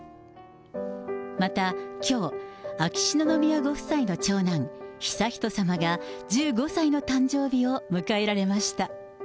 またきょう、秋篠宮ご夫妻の長男、悠仁さまが１５歳の誕生日を迎えられました。